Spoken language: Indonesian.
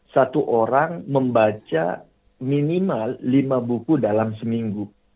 satu orang membaca minimal lima buku dalam seminggu